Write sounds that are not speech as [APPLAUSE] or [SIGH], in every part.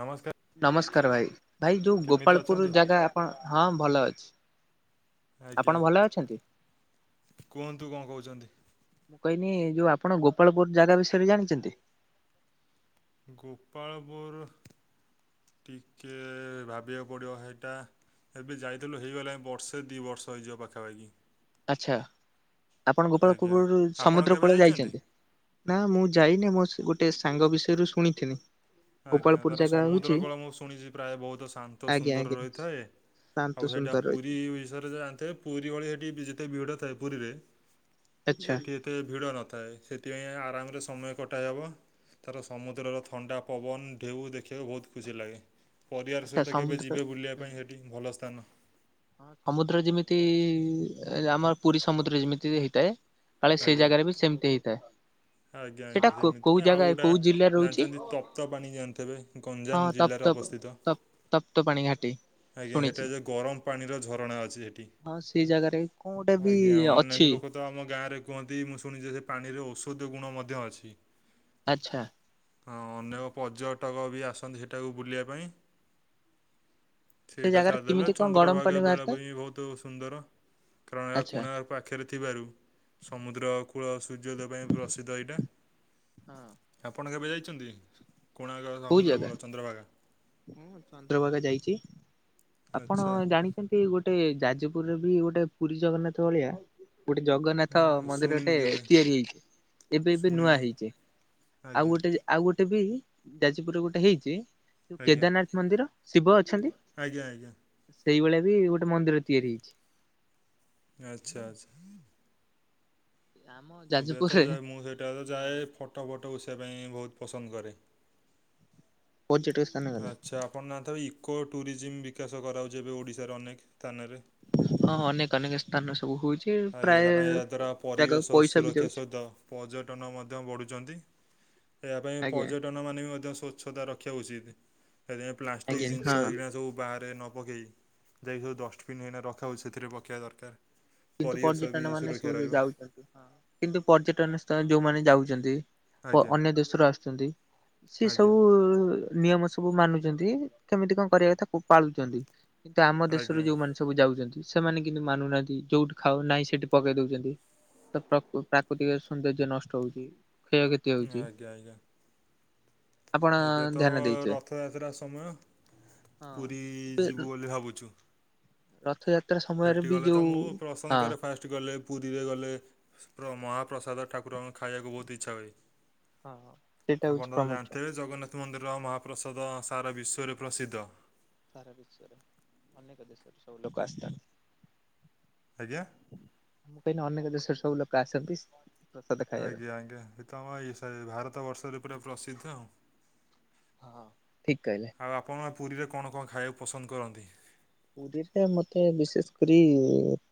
ନମସ୍କାର୍। ନମସ୍କାର୍ ଭାଇ, ଭାଇ ଯୋଉ ଗୋପାଳପୁର ଅଛନ୍ତି? ଜାଗା ଆପଣ ହଁ ଭଲ ଅଛି। ଆପଣ ଆଜ୍ଞା ଭଲ ଅଛନ୍ତି? କୁହନ୍ତୁ କଣ କହୁଚନ୍ତି। ମୁଁ କହିନି ଯୋଉ ଆପଣ ଗୋପାଳପୁର ଜାଗା ବିଷୟରେ ଜାଣିଚନ୍ତି? ଗୋପାଳପୁର ଟିକେ ଭାବିବାକୁ ପଡ଼ିବ ହେଇଟା। ଏବେ ଯାଇଥିଲୁ ହେଇଗଲାଇଁ ବର୍ଷେ ଦୁଇ ବର୍ଷ ହେଇଯିବ ପାଖାପାଖି। ଆଚ୍ଛା ଆପଣ ଆଜ୍ଞା। ଗୋପାଳପୁର ଆପଣ ସମୁଦ୍ର କେବେ କୂଳ ଯାଇଛନ୍ତି? ଯାଇଚନ୍ତି? ନା ମୁଁ ଯାଇନି ମୋ ଗୋଟେ ସାଙ୍ଗ ବିଷୟରୁ ଶୁଣିଥିନି। ଆଜ୍ଞା ତାର ସମୁଦ୍ର କୂଳ ମୁଁ ଶୁଣିଛି ପ୍ରାୟ ବହୁତ୍ ଶାନ୍ତ ଆଜ୍ଞା ସୁନ୍ଦର ଆଜ୍ଞା ରହିଥାଏ। ଶାନ୍ତ ଆଉ ସେଇଟା ସୁନ୍ଦର ପୁରୀ ରହିଛି ବିଷୟରେ ଯାଆନ୍ତେ ପୁରୀ ଭଳି ସେଇଠି ଯେତେ ବିଡ଼ ଥାଏ ପୁରୀରେ ଆଚ୍ଛା। ସେଠି ଏତେ ଭିଡ଼ ନଥାଏ ସେଥିପାଇଁ ଆରାମରେ ସମୟ କଟା ହେବ ତାର ସମୁଦ୍ରର ଥଣ୍ଡା ପବନ୍ ଢେଉ ଦେଖିବାକୁ ବହୁତ ଖୁସି ଲାଗେ ପରିବାର ଆଚ୍ଛା ସହିତ କେବେ ସମୁଦ୍ର ହଁ ଯିବେ ବୁଲିବା ପାଇଁ [UNINTELLIGIBLE] ଭଲ ସ୍ଥାନ। ସମୁଦ୍ର ଯେମିତି ଆମର ପୁରୀ ସମୁଦ୍ର ଯେମିତି ହେଇଥାଏ କାଳେ ସେଇ ଜାଗାରେ ବି ସେମିତି ହେଇଥାଏ। ସେଇଟା ଆଜ୍ଞା-ଆଜ୍ଞା କୋଉ ସେମିତି ଆଉ ଜାଗା ଗୋଟେ କୋଉ ଜିଲ୍ଲାରେ ରହୁଛି? ଜାଣିଛନ୍ତି ତପ୍ତ ପାଣି ଜାଣିଥିବେ ଗଞ୍ଜାମ ଜିଲ୍ଲାରେ ଅବସ୍ଥିତ। ତପ୍ ତପ୍ତ ପାଣି ଘାଟି। ଆଜ୍ଞା ସେଟା ଶୁଣିଛି। [UNINTELLIGIBLE] ଗରମ୍ ପାଣିର ଝରଣା ଅଛି ସେଠି, ହଁ ସେଇ ଜାଗାରେ କଣ ଗୋଟେ ବି ଅଜ୍ଞା ଅନେକ୍ ଅଛି ଲୋକ ତ ଆମ ଗାଁରେ କୁହନ୍ତି ମୁଁ ଶୁଣିଛି ସେ ପାଣିରେ ଔଷଧ ଗୁଣ ମଧ୍ୟ ଅଛି। ଆଚ୍ଛା। ହଁ ଅନେକ ପର୍ଯ୍ୟଟକ ବି ଆସନ୍ତି ସେଠାକୁ ବୁଲିବା ପାଇଁ। ସେ ସେଇଟା ଜାଗାରେ ଛାଡ଼ିଦେଲେ କେମିତି କଣ ଗରମ ଚନ୍ଦ୍ରଭାଗା ପାଣି ବାହାରିଥାଏ ବେଳାଭୂମି ବହୁତ୍ ସୁନ୍ଦର କାରଣ ଏହା ଆଚ୍ଛା କୋଣାର୍କ ପାଖେରେ ଥିବାରୁ ସମୁଦ୍ରକୂଳ ସୂର୍ଯ୍ୟୋଦୟ ପାଇଁ ପ୍ରସିଦ୍ଧ ଏଇଟା, ହଁ ଆପଣ କେବେ ଯାଇଚନ୍ତି? କୋଣାର୍କ କୋଉ ଜାଗା? ସମୁଦ୍ରକୂଳ ଚନ୍ଦ୍ରଭାଗା। ଚନ୍ଦ୍ରଭାଗା ଯାଇଚି, ଆପଣ ଆଚ୍ଛା ଯା ଜାଣିଚନ୍ତି ଗୋଟେ ଯାଜପୁରରେ ବି ଗୋଟେ ପୁରୀ ଜଗନ୍ନାଥ ଭଳିଆ ଗୋଟେ ଜଗନ୍ନାଥ ଉଁ, ଶୁଣିନି ମନ୍ଦିରଟେ କେବେ ତିଆରି ହେଇଚି, ଏବେ-ଏବେ ନୂଆ ଶୁଣିନି ହେଇଚି। ଆଉ ଆଜ୍ଞା ଗୋଟେ ଆଉ ଗୋଟେ ବି ଯାଜପୁର ଗୋଟେ ହେଇଚି ଆଜ୍ଞା କେଦାରନାଥ ମନ୍ଦିର ଶିବ ଅଛନ୍ତି ଆଜ୍ଞା ଆଜ୍ଞା ସେଇଭଳିଆ ବି ଗୋଟେ ମନ୍ଦିର ତିଆରି ହେଇଛି। ଆଚ୍ଛା ଆଚ୍ଛା। ଆମ। ମୁଁବି ଯାଜପୁରରେ ଯେତବଳେ ଯାଏ ମୁଁ ସେଇଟା ଆଗ ଯାଏ ଫଟୋ ଫଟୋ ଉଷେଇବାବା ପାଇଁ ବହୁତ୍ ପସନ୍ଦ କରେ। ପଜିଟିସ୍। ଆଚ୍ଛା ଆପଣ ନାଁ ତ ଇକୋ ଟୁରିଜିମ୍ ବିକାଶ କରାଉଚି ଏବେ ଓଡ଼ିଶାର ଅନେକ ସ୍ଥାନରେ। ହଁ ଅନେକ ଅନେକ ସ୍ଥାନ ସବୁ ହୋଉଚି। ଆଜ୍ଞା କାରଣ ଏହା ଦ୍ୱାରା ପରିବେଶ ପଇସା ବି ସୁରକ୍ଷା ଯାଉଛି। ସହିତ। ପର୍ଯ୍ୟଟନ ମଧ୍ୟ ବଢ଼ୁଚନ୍ତି ଏହା ପାଇଁ ଆଜ୍ଞା। ପର୍ଯ୍ୟ ଟନ ମାନେ ବି ମଧ୍ୟ ସ୍ୱଚ୍ଛତା ରଖିବା ଉଚିତ୍। ସେଥିପାଇଁ ପ୍ଲାଷ୍ଟିକ୍ ଆଜ୍ଞା ହଁ ଜିନଷ ଏଇକିନା ସବୁ ବାହାରେ ନ ପକେଇ। ଯାଇକି ଯୋଉ ଡଷ୍ଟବନ୍ ଏଇନା ରଖାହଉଚି ସେଥିରେ ପକେଇବା ଦରକାର୍। କିନ୍ତୁ ପର୍ଯ୍ୟଟନ ମାନେ ସବୁ ଯୋଉ ଯାଉଛନ୍ତି। କିନ୍ତୁ ପର୍ଯ୍ୟଟନ ସ୍ଥଳ ଯୋଉମାନେ ଯାଉଚନ୍ତି ପ ଆଜ୍ଞା ଅନ୍ୟ ଦେଶରୁ ଆସଚନ୍ତି। ସେ ଆଜ୍ଞା ସବୁ ନିୟମ ସବୁ ମାନୁଚନ୍ତି କେମିତି କଣ କରିବା କଥା କୁ ପାଳୁଚନ୍ତି। କିନ୍ତୁ ଆମ ଦେଶରୁ ଆଜ୍ଞା ଯୋଉମାନେ ସବୁ ଯାଉଚନ୍ତି ସେମାନେ କିନ୍ତୁ ମାନୁନାହାନ୍ତି। ଯୋଉଠି ଖାଅ ନାହିଁ ସେଠି ପକେଇ ଦଉଚନ୍ତି। ତ ପ୍ରକୁ ପ୍ରାକୃତିକ ସୌନ୍ଦର୍ଯ୍ୟ ନଷ୍ଟ ହଉଛି କ୍ଷୟକ୍ଷ ଆଜ୍ଞା ଆଜ୍ଞା ଆପଣ ଏବେ ତ ଧ୍ୟାନ ଦେଇଥିବେ। ରଥଯାତ୍ରା ସମୟ। ହଁ ପୁରୀ ଯିବୁ ବୋଲି ଭାବୁଛୁ। ରଥଯାତ୍ରା ସମୟରେ ସେଠି ବି ଗଲେ ତ ଯୋଉ ମୁଁ ପସନ୍ଦ ହଁ। କରେ ଫାଷ୍ଟ୍। ଠି ଗଲେ ପୁରୀରେ ଗଲେ ପ୍ର ମହାପ୍ରସାଦ ଠାକୁରଙ୍କ ଖାଇବାକୁ ବହୁତୁ ଇଚ୍ଛା ହୁଏ। ହଁ। ସେଇଟା ଆପଣ ହଉଛି ତ ପ୍ରମୁଖ୍ୟ। ଜାଣଥିବେ ଜଗନ୍ନାଥ ମନ୍ଦିର ମହାପ୍ରସାଦ ସାରା ବିଶ୍ଵରେ ପ୍ରସିଦ୍ଧ। ସାରା ବିଶ୍ୱର ଅନେକ ଦେଶର ସବୁ ଲୋକ ଆସଥାନ୍ତି। ଆଜ୍ଞା। ମୁଁ କହିଲି ଅନେକ ଦେଶର ସବୁ ଲୋକ ଆସନ୍ତି। ପ୍ରସାଦ ଖାଇବା ପାଇଁ। ଆଜ୍ଞା ଆଜ୍ଞା ଏ ତ ଆମ ଏଇ ସାରି ଭାରତ ବର୍ଷରେ ପୁରା ପ୍ରସିଦ୍ଧ ଆଉ। ହଁ ହଁ ଠିକ୍ କହିଲେ। ଆଉ ଆପଣ ପୁରୀରେ କଣ କଣ ଖାଇବାକୁ ପସନ୍ଦ କରନ୍ତି? ପୁରୀରେ ମତେ ବିଶେଷ୍ କରି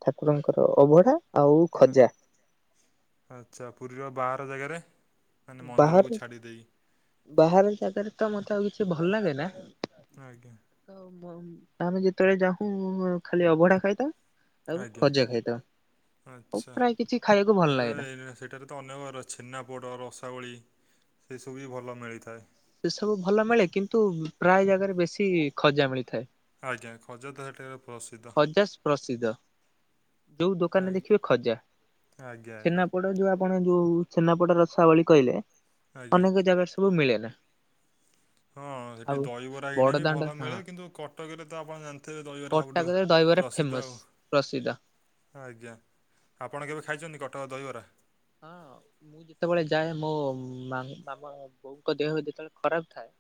ଠାକୁରଙ୍କର ଅଭଢା ଆଉ ଆ- ଖଜା। ଆଚ୍ଛା ପୁରୀର ବାହାର ଜାଗାରେ ମାନେ ମନ୍ଦିରକୁ ବାହାରେ ଛାଡି ଦେଇ। ବାହାର ଜାଗାରେ ତ ମତେ ଆଉ କିଛି ଭଲ ଲାଗେନା। ଆଜ୍ଞା। ତ [UNINTELLIGIBLE] ଆମେ ଯେତେବେଳେ ଯାହୁଁ ଖାଲି ଅବଢା ଖାଇଥାଉଁ। ଆଉ ଆଜ୍ଞା ଖଜା ଖାଇଥାଉ ଆଉ ଆଚ୍ଛା। ପ୍ରାୟେ କିଛି ଖାଇବାକୁ ଭଲ୍ ହେଲେ ଲାଗେନା। ଏ- ସେଠାରେ ତ ଅନେକକାର ଛେନାପୋଡ଼ ରସାବଳି ସେସବୁ ବି ଭଲ ମିଳିଥାଏ। ସେ ସବୁ ଭଲ ମିଳେ କିନ୍ତୁ ପ୍ରାୟ ଜାଗାରେ ବେଶୀ ଖଜା ମିଳିଥାଏ। ଆଜ୍ଞା ଖଜା ତ ହେଠେ। ଖଜାସ୍ ପ୍ରସିଦ୍ଧ ଯୋଉ ଦୋକାନରେ ଆ- ଦେଖିବେ ଖଜା। ଆଜ୍ଞା ଆଜ୍ଞା। ଛେନାପୋଡ ଯୋଉ ଆପଣ ଯୋଉ ଛେନାପୋଡ଼ ରସାବଳି କହିଲେ ଆଜ୍ଞା। ଅନେକ ଜାଗାରେ ସବୁ ମିଳେ ନା। ହଁ ଏଠି ଦହିବରା ଏଇନା ବି ବଡଦାଣ୍ଡ ଭଲ ହଁ ମିଳେ କିନ୍ତୁ କଟକରେ ତ ଆପଣ ଜା ଥିବେ ଦହିବରା ସବୁଠୁ କଟକରେ ଦହିବରା ପ୍ରସିଦ୍ଧ ଫେମସ୍ ଆଉ। ପ୍ରସିଦ୍ଧ ଆଜ୍ଞା ଆପଣ କେବେ ଖାଇଚନ୍ତି କଟକ ଦହିବରା? ହଁ ମୁଁ ଯେତେବେଳେ ଯାଏ ମୋ ମାମୁଁ ବୋଉଙ୍କ ଦେହ ଯେତେବେଳେ ଖରାପ ଥାଏ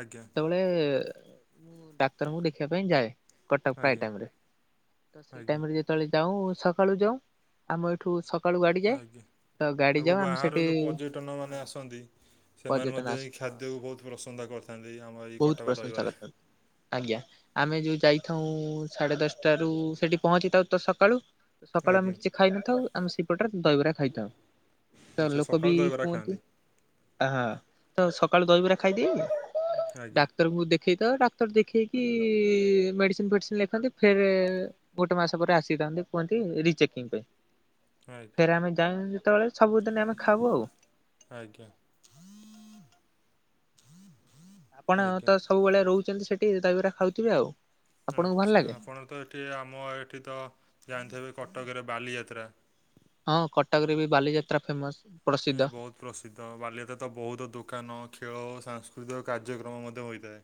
ଆଜ୍ଞା। ସେତେବେଳେ ମୁଁ ଡାକ୍ତରଙ୍କୁ ଦେଖିବା ପାଇଁ ଯାଏ କଟକ ପ୍ରୟ ଆଜ୍ଞା ଟାଇମ ରେ ତ ସେଇ ଆଜ୍ଞା ଟାଇମ ଯେତେବେଳେ ଯାଉ ସକାଳୁ ଯାଉ ଆମ ଏଠୁ ସ କାଳୁ ଗାଡି ଯାଏ ଆଜ୍ଞା। ତ ଗାଡି ଆଉ ଯାଉ ଆମେ ବାହାର ସେଠି ଯୋଉ ପର୍ଯ୍ୟଟନ ହଁ ମାନେ ଆସନ୍ତି ସେମାନେ ପର୍ଯ୍ୟଟନ ମଧ୍ୟ ଆସ ଏହି ହଁ ଖାଦ୍ୟକୁ ବହୁତ ପ୍ରସନ୍ସା କରିଥାନ୍ତି ଆମର ଏଇ ବହୁତ କଟକ ପ୍ରଶଂସା ଦହିବରା। କରିଥାନ୍ତି। ଆଜ୍ଞା ଆମେ ଯୋଉ ଯାଇଥାଉ ସାଢେ ଦଶଟାରୁ ସେଠି ପହଞ୍ଚିଥାଉ ତ ସକାଳୁ ସକାଳୁ ଆମେ ଆଜ୍ଞା କିଛି ଖାଇନଥାଉ ଆମେ ସେଇପଟରେ ଦହିବରା ଖାଇ ତ ଆଚ୍ଛା ଲୋକ ବି ସକାଳୁ ଦହିବରା କୁହନ୍ତି ଖାଆନ୍ତି ହା ତ ସକାଳୁ ଦହିବରା ଖାଇଦିଏ ଆଜ୍ଞା ଡାକ୍ତରଙ୍କୁ ଦେଖ ଦେଖେଇ ଦିଏ ଡାକ୍ତର ଦେଖେଇକି ମେଡ଼ିସିନ ଫେଡ଼ିସିନ ଲେଖନ୍ତି ଫେରେ ଏ ଗୋଟେ ମାସ ପରେ ଆସିଥାନ୍ତି କୁହନ୍ତି ରିଚେକିଂ ପାଇଁ। ଆଗ ଫେରେ ଆମେ ଯେତେବେଳେ ସବୁଦିନେ ଆମେ ଖାଉୁ ଆଉ ଆଜ୍ଞା। ଆପଣ ଆଜ୍ଞା। ତ ସବୁବେଳେ ରହୁଚନ୍ତି ସେଟି ଦହିବରା ଖାଉଥିବେ ଆଉ। ଆପଣଙ୍କୁ ଭଲ ଆଚ୍ଛା ଲାଗେ ଆପଣ ତ ଏଠି ଆମ ଏଠି ତ ଜାଣିଥିବେ କଟକରେ ବାଲିଯାତ୍ରା ହଁ କଟକ ରେ ବି ବାଲିଯାତ୍ରା ଫେମସ। ପ୍ରସିଦ୍ଧ ଏ ବହୁତ ପ୍ରସିଦ୍ଧ ବାଲିଯାତ୍ରା ରେ ତ ବହୁତ ଦୋକାନ ଖେଳ ଓ ସାଂସ୍କୃତିକ କାର୍ଯ୍ୟକ୍ରମ ମଧ୍ୟ ହୋଇଥାଏ।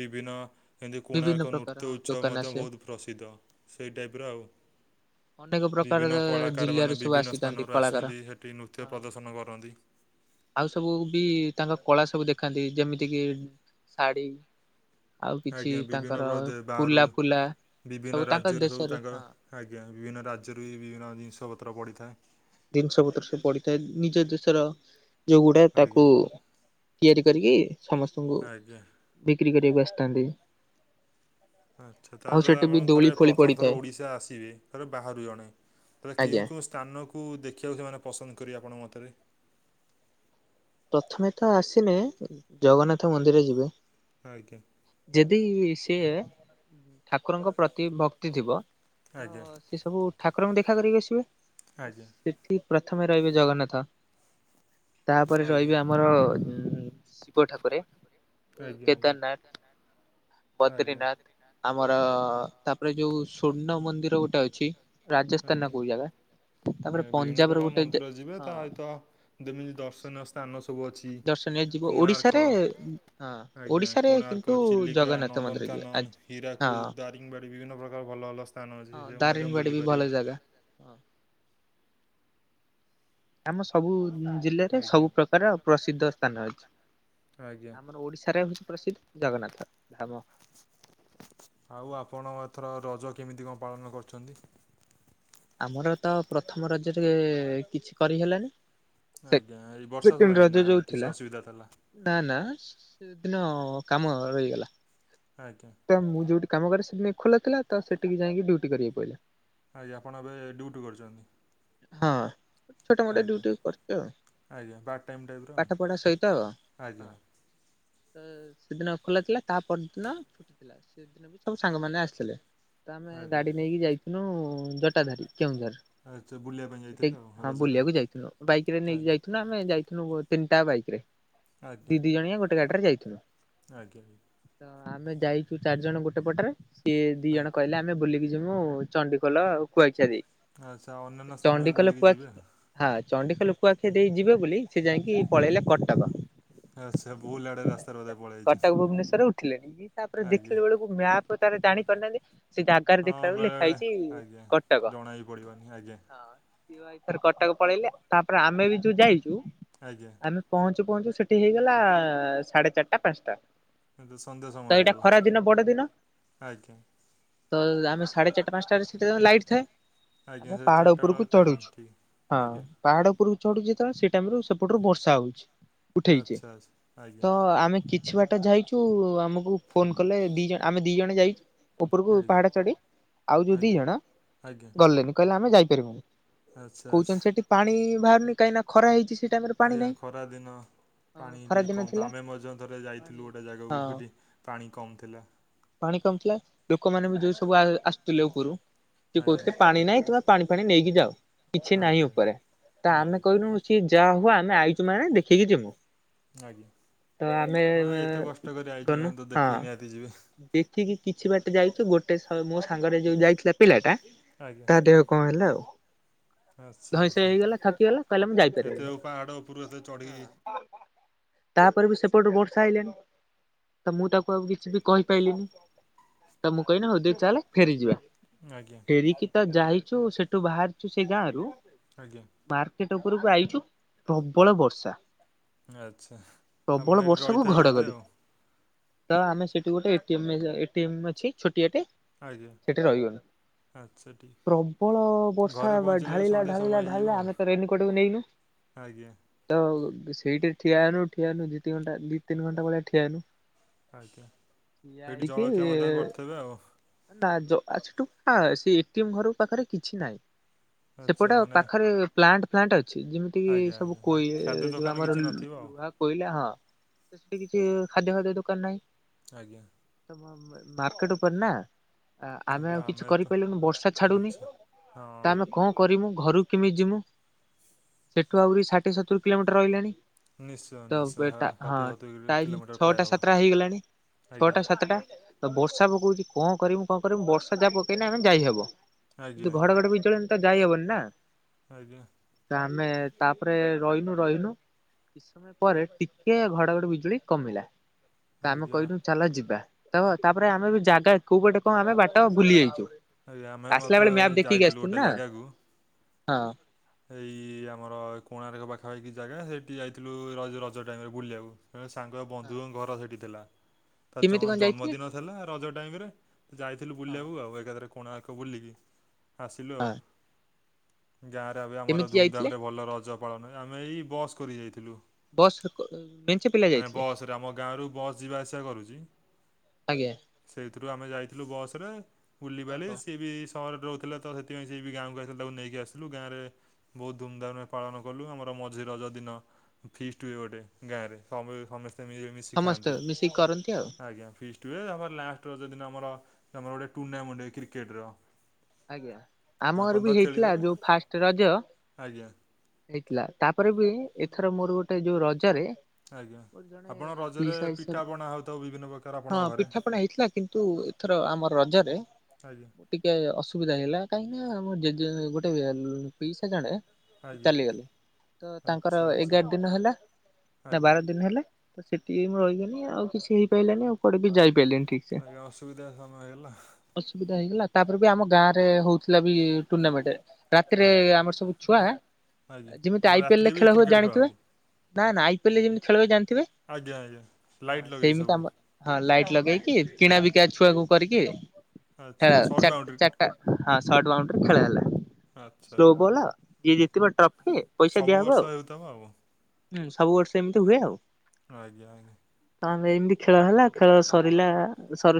ବିଭିନ୍ନ ଏମିତି ବିଭିନ୍ନ କୋଣାର୍କ ପ୍ରକାର ନୃତ୍ୟ ଉତ୍ସବ ଦୋକାନ ମଧ୍ୟ ଆସେ ବହୁତ ପ୍ରସିଦ୍ଧ ସେଇ ଟାଇପ୍ ର ଆଉ। ଅନେକ ପ୍ରକାର ବିଭିନ୍ନ ଜିଲ୍ଲାରୁ କଳାକାରମାନେ ସବୁ ବିଭିନ୍ନ ଆସିଥାନ୍ତି ସ୍ଥାନରୁ କଳାକାର। ଆସିଥାନ୍ତି ହେଠି ନୃତ୍ୟ ହଁ ପ୍ରଦର୍ଶନ କରନ୍ତି। ଆଉ ସବୁ ବି ତାଙ୍କ କଳା ସବୁ ଦେଖନ୍ତି ଯେମିତି କିି ଶାଢ଼ୀ ଆଉ କିଛି ଆଜ୍ଞା ବିଭିନ୍ନ ତାଙ୍କର ପ୍ରଦେ ବାହାରୁ କୁଲା ଫୁଲା ବିଭିନ୍ନ ସବୁ ତାଙ୍କ ରାଜ୍ୟରୁ ସବୁ ଦେଶରେ ତାଙ୍କ ହଁ ଆଜ୍ଞା ବିଭିନ୍ନ ରାଜ୍ୟରୁ ବି ବିଭିନ୍ନ ଜିନିଷପତ୍ର ପଡ଼ିଥାଏ। ଜିନିଷ ପତ୍ର ସେ ପଡିିଥାଏ ନିଜ ଦେଶର ଯୋଉଗୁଡା ତାକୁ ଆଜ୍ଞା ତିଆରି କରିକି ସମସ୍ତଙ୍କୁ ଆଜ୍ଞା। ବିକ୍ରି କରିବାକୁ ଆସିଥାନ୍ତି। ଆଚ୍ଛା ଆଉ ତାହେଲେ ତ ସେଠି ବି ଆପଣ ଥରେ ଦୋଳି ଫୋଳି ପ୍ରଥମ ଥରେ ପଡିଥାଏ ଓଡ଼ିଶା ଆସିବେ ଥରେ ବାହାରୁ ଜଣେ ତାଲେ ଆଜ୍ଞା କେଉଁ କେଉଁ ସ୍ଥାନକୁ ଦେଖିବାକୁ ସେମାନେ ପସନ୍ଦ କରିବେ ଆପଣଙ୍କ ମତରେ? ପ୍ରଥମେ ତ ଆସିଲେ ଜଗନ୍ନାଥ ମନ୍ଦିର ଯିବେ। ଆଜ୍ଞା। ଯଦି ସିଏ ଠାକୁରଙ୍କ ପ୍ରତି ଭକ୍ତି ଥିବ ତ ଆଜ୍ଞା ସେ ସେ ସବୁ ଠାକୁରଙ୍କୁ ଦେଖା କରିକି ଆସିବେ ଆଜ୍ଞା ସେଠି ପ୍ରଥମେ ରହିବେ ଜଗନ୍ନାଥ ତାପରେ ଆଜ୍ଞା ରହିବେ ଆମର ଉଁ ଶିବ ଠାକୁରେ ଆଜ୍ଞା କେଦାରନାଥ ଆଜ୍ଞା। ଆଜ୍ଞା। ବଦ୍ରିନାଥ ଆମର ତାପରେ ଯୋଉ ସ୍ଵର୍ଣ୍ଣ ମନ୍ଦିର ଗୋଟେ ଅ ଅଛି ରାଜସ୍ଥାନ ନା ଆଜ୍ଞା କୋଉ ଜାଗା ଆଜ୍ଞା ତାପରେ ବିଭିନ୍ନ ପଞ୍ଜାବର ପ୍ରକାର ଗୋଟେ ଜ ମନ୍ଦିର ଯିବେ ହଁ ତା ସହିତ ଯେମିତି ଦର୍ଶନୀୟ ସ୍ଥାନ ସବୁ ଅଛି ଦର୍ଶନୀୟ ଯିବ ଓଡିଶାରେ କୋଣାର୍କ ହଁ ଆଜ୍ଞା ଓଡିଶାରେ କିନ୍ତୁ କୋଣାର୍କ, ଚିଲିକା, ଜଗନ୍ନାଥ ମନ୍ଦିର ଯିବ ହଁ ନନ୍ଦନକାନନ ହୀରାକୁଦ, ଦାରିଙ୍ଗବାଡ଼ି ବିଭିନ୍ନ ପ୍ରକାର ଭଲ ଭଲ ସ୍ଥାନ ଅଛି ହଁ ସେଟାକୁ ମଧ୍ୟ ଦାରିଙ୍ଗବାଡି ବି ଭଲ ବୁଲିପାରିବେ। ଜାଗା ହଁ ଆମ ସବୁ ଜିଲ୍ଲାରେ ଆଜ୍ଞା। ସବୁ ପ୍ରକାର ପ୍ରସିଦ୍ଧ ସ୍ଥାନ ଅଛି। ଅଛି। ଆଜ୍ଞା। ଆମର ଓଡ଼ିଶାରେ ହଉଛି ପ୍ରସିଦ୍ଧ ଜଗନ୍ନାଥ ଧାମ। ଆଉ ଆପଣ ଏଥର ରଜ କେମିତି କଁ ପାଳନ କରିଛନ୍ତି। ଆମର ତ ପ୍ରଥମ ରାଜ ରେ କିଛି କରିହେଲାନି। ସେ ଆଜ୍ଞା ଏଇ ବର୍ଷା ସେକେଣ୍ଡ ପାଇଁ ରଜ ନା ଯୋଉ କିଛି ଥିଲା ଅସୁବିଧା ଥିଲା। ନା ନା ସେଦିନ କାମ ରହିଗଲା। ଆଜ୍ଞା। ତ ମୁଁ ଯୋଉଠି କାମ କରେ ସେଦିନ ବି ଖୋଲା ଥିଲା ତ ସେଠିକି ଯାଇଁକି ଡ୍ୟୁଟି କରିବାକୁ ପଇଲା। ଆଜ୍ଞା ଆପଣ ଏବେ ଡି୍ୟୁଟିୁ କରିଛନ୍ତି। ହଁ। ଛୋଟ ମୋଟେ ଡିଉଟି କରୁଛି ଆଉ ଆଜ୍ଞା ପାର୍ଟ ଟାଇମ୍ ଟାଇପର ଆଉ। ପାଠ ପଢା ସହିତ ହଁ। ଆଜ୍ଞା ତ ସେଦିନ ଖୋଲା ଥିଲା ତା ପରଦିନ ଛୁଟି। ଥିଲା ସେଦିନ ବି ସବୁ ସାଙ୍ଗମାନେ ଆସିଥିଲେ। ତ ଆମେ ଆଜ୍ଞା ଗାଡି ନେଇକି ଯାଇ ଏ ଯୋଉଁ ଯଟାଧାରୀ କେଉଁଝର। ଆଚ୍ଛା ବୁଲିବା ପାଇଁ ଯାଇଥିଲେ ଆଉ ସେଠିକ ହଁ ରଜରେ। ବୁଲିବାକୁ ଯାଇଥିଲୁ। ବାଇକରେ ନେଇକି ଆଜ୍ଞା ଯାଇଥିଲୁ ନା ଆମେ। ଆମେ ଯାଇଥିଲୁ ତିନିଟା ବାଇକରେ। ଆଜ୍ଞା ଦି ଦି ଜଣିଆ ଗୋଟେ ଗାଡିରେ ଯାଇଥିଲୁ। ଆଜ୍ଞା। ତ ଆମେ ଯାଇଛୁ ଚାରି ଜଣ ଗୋଟେ ପଟରେ ସିଏ ଦି ଜଣ କହିଲେ ଆମ ଆମେ ବୁଲିକି ଯିମୁ ଚଣ୍ଡଖୋଲ ଆଉ କୁଆଖିଆ ଦେଇକି। ଆଚ୍ଛା ଅନ୍ୟାନ୍ୟ ସ୍ଥାନ ବି ବୁଲିକି ଯିବେ। ହଁ ଚଣ୍ଡିଖୋଲ କୁୁଆଖିଆ ଦେଇ ଯିବେ ବୋଲି ସେ ଯାଇଁକି ପଳେଇଲେ କଟକ। ଆଚ୍ଛା ଭୁଲ୍ଆଡେ ରାସ କଟକ ଭୁବନଶ୍ବର ରେ ଉଠିଲେଣି ଇଏ ତାପରେ ଆଜ୍ଞା ଦେଖିଲା ବେଳକୁ ମ୍ୟାପ ତାରେ ଜାଣି ପାରୁନାହାନ୍ତି। ସେ ଜାଗାରେ ହଁ ଦେଖିଲା ବେଳୁ୍କୁ ଲେଖା ବେଳେବେଳେ ହେଇଛି ଆଜ୍ଞା କଟକ ଜଣା ବି ପଡ଼ିବନି ଆଜ୍ଞା ହଁ। ସିଏ ଭାଇ ତାର କଟକ ପଳେଇଲେ ତାପରେ ଆମେ ବି ଯୋଉ ଯାଇଛୁ। ଆଜ୍ଞା। ଆମେ ପହଞ୍ଚୁ ପହଞ୍ଚୁ ସେଠି ହେଇଗଲା ସାଢେ ଚାରିଟା ପାଞ୍ଚଟା। କିନ୍ତୁ ସନ୍ଧ୍ୟା ସମୟ ତ ଏଇଟା ହେଇଗଲା ଖରା ଦିନ ବଡ ଦିନ। ଆଜ୍ଞା ତ ଆମେ ସାଢ଼େ ଚାରିଟା ପାଞ୍ଚଟାରେ ସେଠି ତ ଲାଇଟ୍ ଥାଏ। ଆଜ୍ଞା ଆମେ ସେ ପାହଡ଼ ଚାରିଟା ବେଳ ଉପରକୁ ଟାଇମ୍ ଚଢୁଛୁ ଠିକ୍ ହଁ। ଆଜ୍ଞା ପାହାଡ ଉପରକୁ ଚଢୁଛୁ ଯେତେବେଳେ ସେ ଟାଇମରୁ ସେପଟୁରୁ ବର୍ଷା ଆଉଛି ଉଠେଇଛେ ଆଚ୍ଛା ଆଚ୍ଛା ଆଜ୍ଞା ତ ଆମେ। କିଛି ବାଟ ଯାଇଛୁ ଆମକୁ ଫୋନ କଲେ ଦି ଜଣ ଆମେ ଦି ଜଣ ଆମେ ଦି ଯାଇଛୁ। ଉପରକୁ ଆଜ୍ଞା ପାହାଡ ଚଢି ଆଉ ଯୋଉ ଦି ଆଜ୍ଞା ଜଣ ଆଜ୍ଞା ଗଲେନି କହିଲେ ଆମେ ଯାଇପାରିବୁନୁ। ଆଚ୍ଛା ଆଚ୍ଛା କହୁଛନ୍ତି ସେଠି ପାଣି ବାହାରୁନି କାହିଁକି ନା ଖରା ହେଇଛି ସେଠି। ଆଜ୍ଞା। ଖରାଦିନ ପାଣି ଖରା ଟିକେ ଦିନ କମ ତ ଥିଲା ଆମେ ମଧ୍ୟ ଥରେ ପାଣି ଯାଇଥିଲୁ ଗୋଟେ ଜାଗାକୁ ହଁ ସେଠି। ପାଣି କମ୍ ଥିଲା। ପାଣି କମ ଥିଲା। ଲୋକମାନେ ବି ଯୋଉ ସବୁ ଆ ଆସୁଥିଲେ ଉପରୁ ସିଏ ଆଜ୍ଞା କହୁଥିଲେ ପାଣି ନାହିଁ ତୁମେ ପାଣି ଫାଣି ନେଇକି ଯାଅ କିଛି ନାହିଁ ଆଜ୍ଞା ଉପରେ ତ ଆଜ୍ଞା ଆମେ କହିଲୁ ସିଏ ଯାହା ହଉ ଆମେ ଆଇଚୁ ମାନେ ଦେଖିକି ଯିମୁ। ଆଜ୍ଞା ତ ଆମେ ହଁ ମେ ଏତେ କଷ୍ଟ କରି ଗନୁ ଆଇଛନ୍ତି ତ ହଁ। [UNINTELLIGIBLE] ଦେଖିକି କିଛି ବାଟ ଯାଇଛୁ ଗୋଟେ ସା ମୋ ସାଙ୍ଗରେ ଯୋଉ ଯାଇଥିଲା ପିଲାଟା। ଆଜ୍ଞା। ତା ଦେହ କଁ ହେଲା ଆଉ। ଆଚ୍ଛା ଧଇଁସଇ ଆଚ୍ଛା ହେଇଗଲା ଥକିଗଲା। କହିଲା ମୁଁ ଏତେ ପାହାଡ଼ ଉପରୁ ଏତେ ଚଢ଼ିକି ଯାଇପାରିବିନି। ତାପରେ ବି ସେପଟୁ ବର୍ଷା ଆଇଲାଣି। ତ ମୁଁ ତାକୁ ଆଉ କିଛି ବି କହିପାଇଲିିନି। ତ ମୁଁ କହିଲି ହଉଦେ ଚାଲେ ଫେରିଯିବା। ଆଜ୍ଞା। ଫେରିକି ତ ଯାଇଛୁ ସେଠୁ ବାହାରିଛୁ ସେ ଗାଁ ରୁ ଆଜ୍ଞା। ମାର୍କେଟ ଉପରକୁ ଆଇଛୁ ପ୍ରବଳ ବର୍ଷା। ଆଚ୍ଛା। ପ୍ରବଳ ଆପଣ ଏଇଠି ବର୍ଷାକୁ ରହିଥେବେ ବୋଧେ ଘଡଘଡି ଆଉ? ତ ଆମେ ସେଠି ଗୋଟେ ଏ ଟି ଏମ୍ ମେ ଏ ଟି ଏମ୍ ଅଛି ଛୋଟିଆଟେ ଆଜ୍ଞା ସେଠି ରହିଗଲୁ। ଆଚ୍ଛା ଠିକ୍ ପ୍ରବଳ ବର୍ଷା ଘରେ ପହଞ୍ଚିଲେ ବି ଢାଳିଲା ସନ୍ଧ୍ୟା ସମୟ ଢାଳିଲା ହେଇଯିବ ଢାଳିଲା। ଆମେ ତ ରେନିକୋଟ ଵି ନେଇନୁ। ଆଜ୍ଞା। ତ ସେଇଟି ଠିଆହେଲୁ ଠିଆହେଲୁ ଦିିଦି ଘଣ୍ଟା ଦି ତିନି ଘଣ୍ଟାଭଳିଆ ଠିଆ ହେଲୁ। ଆଜ୍ଞା। ସେଇଠି ଜଳଖିଆ ମଧ୍ୟ କରିଥେବେ ଆଉ? ନା ଜ ଆଜଠୁ ଫାଳେ ସେ ଏଟିଏମ୍ ଘର ପାଖରେ କିଛି ନହିଁ। ଆଚ୍ଛା ସେପଟେ ମାନେ ପାଖରେ ପ୍ଲାଣ୍ଟ ଫ୍ଲାଣ୍ଟ ଅଛି ଯେମିତିକି ସବୁ କୋଇ ଯୋଉ ଆମର ଥିବ କହିଲା ହଁ, ସେ କିଛି ଖାଦ୍ୟ ଫାଦ୍ୟ ଦୋକାନ ନାହିଁ। ଆଜ୍ଞା। ତ ମାର୍କେଟ ଉପରେ ନା ଆ ଆମେ ଆଜ୍ଞା ଆଉ କିଛି ତ କରିପାରିଲୁନି, ବର୍ଷା ଛାଡୁନି ଆଚ୍ଛା ହଁ ତ ଆମେ କଣ? କରିମୁ ଘରୁ କେମିତି ଯିମୁ। [INAUDIBLE] ସେଠୁ ଆହୁରି ଷାଠିଏ ସତୁରି କିଲୋମିଟର ରହିଲାଣି। ନିଶ୍ଚୟ ତ ନିଶ୍ଚୟ ହଁ ଷାଠିଏ ସତୁରି ଟାଇମ୍ କିଲୋମିଟର ପ୍ରାୟ ଛଅଟା ହେବ ସାତଟା ହେଇଗଲାଣି। ଆଜ୍ଞା ଛଅଟା ସାତଟା, ତ ବର୍ଷା ପକଉଛି କଣ କରିମୁ, କଣ କରିମୁ, ବର୍ଷା ଯା ପ କେହିି ଆମେ ଯାଇହବ। ଆଜ୍ଞା କିନ୍ତୁ ଆଜ୍ଞା ଘଡଘର ବି ଜ ତ ଯାଇ ହେବନ ନା ଆଜ୍ଞା। ତ ଆମେ ତାପରେ ରହିନୁ ରହିନୁ। କିଛି ସମୟ ପରେ ଟିକେ ଘଡଘଡି ବିଜୁଳି କମିଲା। ତ ଆମେ ଆଜ୍ଞା କହିଲୁ ଚାଲ ଯିବା, ତ ତାପରେ ଆମେ ବି ଜାଗା କୋଉ ଗଟେ କଣ ଆମେ ବାଟ ଭୁଲି ଯାଇଛୁ। ଆରେ ଆମେ ଆସିଲା ମଧ୍ୟ ବେଳେ ମ୍ୟାପ ଏ ଦେଖିକି ଯାଇଥିଲୁ ଆସିଥିଲୁ ଗୋଟେ ନା ଜାଗାକୁ ହଁ ଅଁ ଏଇ ଆମର କୋଣାର୍କ ପାଖାପାଖି ଜାଗା, ସେଇଠି ଯାଇଥିଲୁ ରଜ ରଜ ଟାଇମରେ ବୁଲିବାକୁ। ଜଣେ ସାଙ୍ଗର ବନ୍ଧୁଙ୍କ ଘର ସେଠି ଥିଲା। କେମିତି ତା କଣ ଯାଇଥିଲେ ଜନ୍ମଦିନ ଥିଲା ରଜ ଟାଇମ ରେ ଯାଇଥିଲୁ ହଁ ବୁଲିବାକୁ ଆଉ ଏକାଥରେ କୋଣାର୍କ ବୁଲିକି ଆସିଲୁ ଆଉ ହଁ ଗାଁ ଏବେ ଆମର କେମିତି ଯାଇଥିଲେ ଧୁମଧାମରେ ଭଲ ରଜ ପାଳନ ହୁଏ ଆମେ ଏଇ ବସ୍ କରି ଯାଇଥିଲୁ। ବସ ରେ କ ବେଞ୍ଚ ପିଲା ଯାଇଥିଲେ। ପୁରା ଆମ ଗାଁରୁ ବସ୍ ଯିବା ଆସିବା କରୁଛି। ଆଜ୍ଞା। ସେଇଥିରୁ ଆମେ ଯାଇଥିଲୁ ବସରେ, ବୁଲିବାଲି ଓହୋ ସିଏ ବି ସହରରେ ରହୁଥିଲା ତ ସେଥିପାଇଁ ସେଏ ବି ଗାଁକୁ ଆସିଲା ତାକୁ ନେଇକି ଆସିଲୁ ଗାଁରେ ବହୁତ ଧୁମଧାମରେ ପାଳନ କଲୁ। ଆମର ମଝି ରଜ ଦିନ ଫିଷ୍ଟ ହୁଏ ଗୋଟେ ଗାଁରେ, ସମସ୍ତେ ମି ମିଶି ସମସ୍ତେ ଖାଆନ୍ତି, ମିଶିକି କରନ୍ତି ଆଉ ଆଜ୍ଞା ଫିଷ୍ଟ। ଟୁ ଆମର ଲାଷ୍ଟ ରଜ ଦିନ ଆମର ଆମର ଗୋଟେ ଟୁର୍ଣ୍ଣାମେଣ୍ଟୁଏ କ୍ରିକେଟର ଆଜ୍ଞା ଆମ ଆପଣ ଘର ତ ବି ହେଇଥିଲା ଖେଳିଦେବେ ଯୋଉ ଫାଷ୍ଟ ରଜ ଆଜ୍ଞା। ହେଇଥିଲା ତାପରେ ବି ଏଥର ମୋର ଗୋଟେ ଯଉ ରଜ ରେ ଆଜ୍ଞା। ମୋର ଜଣେ ଆପଣ ରଜରେ ପିଇସା ପିଠା ପଣା ହେଉଥିବ ବିଭିନ୍ନ ପ୍ରକାର ହିସାବ୍- ହଁ ଆପଣଙ୍କ ଘରେ ପିଠା ପଣା ହେଇଥିଲା କିନ୍ତୁ ଏଥର ଆମର ରଜରେ ଆଜ୍ଞା। ଟିକେ ଅସୁବିଧା ହେଇଗଲା କାହିଁକି ନା ଆମ ଜେଜେ- ଗୋଟେ ପିଇସା ଜଣେ ଆଜ୍ଞା। ଚାଲିଗଲେ ତ ତାଙ୍କର ଆଚ୍ଛା ଆଚ୍ଛା ଏଗାର ଦିନ ହେଲା ନା ଆଜ୍ଞା ବାର ଦିନ ହେଲା ତ ସେଠି ମୁଁ ରହିଗଲି ଆଉ କିଛି ହେଇପାଇଲାନି ଆଉ। କୁଆଡେ ବି ଯାଇ ପାଇଲିନି ଠିକ୍ ସେ। ଆଜ୍ଞା ଅସୁବିଧା ସମୟ ହେଇଗଲା ଅସୁବିଧା ହେଇଗଲା ତାପରେ ବି ଆମ ଗାଁ ରେ ହଉ ଥିଲା ବି ଟୁର୍ଣ୍ଣାମେଣ୍ଟ୍ ରାତିରେ ଆଜ୍ଞା। ଆମର ସବୁ ଛୁଆ ଆଜ୍ଞା ଯେମିତି ଆମର ଆଇ ପି ଏଲ୍ ରାତିରେ ରେ ବି ଖେଳ ହୁଏ କ୍ରିକେଟ୍ ଜାଣିଥିବେ? ଖେଳନ୍ତି ନା ନା ଆଇ ପି ଏଲ୍ ଯେମତି ଖେଳହୁଏ ଜାଣିଥିବେ? ଆଜ୍ଞା ଆଜ୍ଞା। ଲାଇଟ୍ ହଁ- ଲଗେଇ ସେମତି ସବୁ ଆମର ହଁ ଲାଇଟ୍ ଲଗେଇକି କିଣା ବିକା ଛୁଆକୁ କରିକି ଖେଳ ଆଛା ଶର୍ଟ ବାଉଣ୍ଡ୍ରି ଚାରିଟା ହଁ ସର୍ଟ ବାଉଣ୍ଡରୀ ରେ ଖେଳ ହେଲା ଆଚ୍ଛା। ସ୍ଲୋ ବଲ ଯିଏ ଜିତିବ ଟ୍ରଫି ପଇସା ସବୁ ଦିଆହବ ବର୍ଷ ଆଉ ହେଉଥିବ ଆଉ ହୁଁ- ସବୁ ବର୍ଷ ଏମିତି ହୁଏ ଆଉ। ଆଜ୍ଞା ଆଜ୍ଞା। ତମେ ଏମିତି ଖେଳ ହେଲା ଖେଳ ସରିଲା ସରୁ ସ